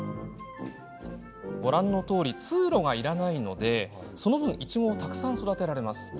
ご覧のとおり通路がいらないので、その分いちごをたくさん育てられます。